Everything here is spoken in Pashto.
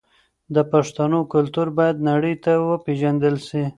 د پښتنو کلتور باید نړۍ ته وپېژندل سي.